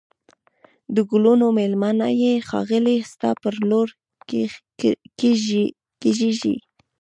د گلونو مېلمنه یې ښاخلې ستا پر لور کږېږی